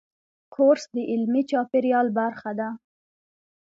کورس د علمي چاپېریال برخه ده.